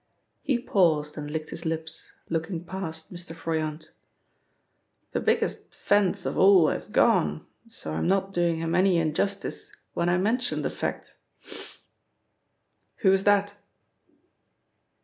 He paused and licked his lips, looking past Mr. Froyant. "The biggest 'fence' of all has gone, so I'm not doing him any injustice when I mention the fact." "Who was that?"